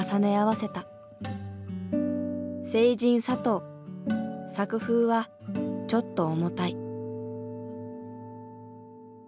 聖人・佐藤作風はちょっと重たい。